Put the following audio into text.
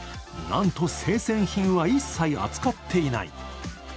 なんと生鮮品は一切、扱っていない。